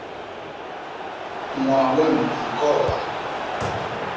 Ñwaa wem a ñkôôga.